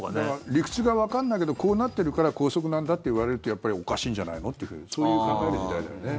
理屈がわかんないけどこうなってるから校則なんだって言われるとやっぱりおかしいんじゃないのっていうふうにそういう考える時代だよね。